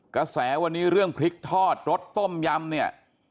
กระแสวันนี้เรื่องพริกทอดรสต้มยำเนี่ย